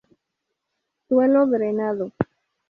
Suelo drenado.